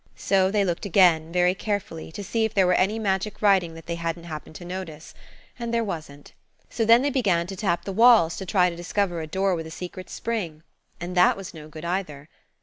So they looked again, very carefully, to see if there were any magic writing that they hadn't happened to notice. And there wasn't. So then they began to tap the walls to try and discover a door with a secret spring. And that was no good either.